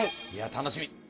いや楽しみ。